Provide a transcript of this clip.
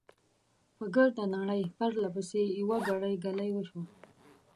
په ګرده نړۍ، پرله پسې، يوه ګړۍ، ګلۍ وشوه .